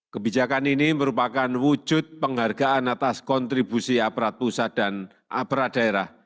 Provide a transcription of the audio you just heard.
kepada pemerintah saya ingin mengucapkan terima kasih kepada pemerintah dan seluruh masyarakat